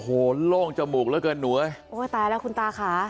โอ้โหโล่งจมูกเหลือเกินหนูเอ้ยโอ้ยตายแล้วคุณตาค่ะ